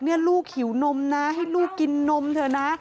นี่ลูกหิวนมนะให้ลูกกินนมเถอะนะ